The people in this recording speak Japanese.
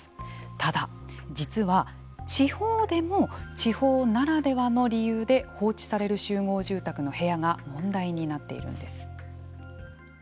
ただ、実は地方でも地方ならではの理由で放置される集合住宅の部屋が問題になっているんです。